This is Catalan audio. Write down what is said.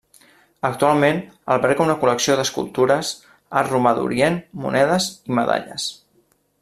Actualment alberga una col·lecció d'escultures, art romà d'Orient, monedes i medalles.